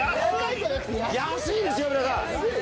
「安い」ですよ皆さん。